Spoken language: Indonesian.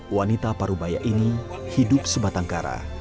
wanita parubaya ini hidup sebatang kara